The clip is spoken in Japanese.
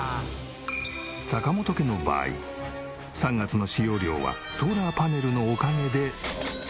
坂本家の場合３月の使用料はソーラーパネルのおかげで。